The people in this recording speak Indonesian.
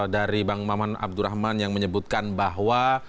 dari bang maman abdurrahman yang menyebutkan bahwa